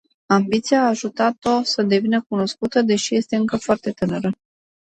Ambiția a ajutat o să devină cunoscută, deși este încă foarte tânără.